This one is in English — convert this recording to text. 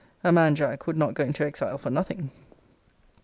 A man, Jack, would not go into exile for nothing.